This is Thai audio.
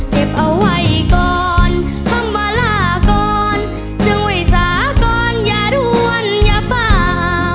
เก็บเอาไว้ก่อนคำว่าลาก่อนซึ่งไว้สากรอย่ารวนอย่าฝ่า